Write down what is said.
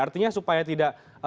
artinya supaya tidak